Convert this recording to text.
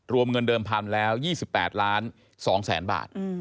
รวมเงินเดิมพันธุ์แล้ว๒๘ล้าน๒แสนบาท